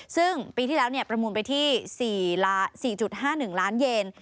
ซึ่งปีที่แล้วประมูลไปที่๔๕๑ล้านเยน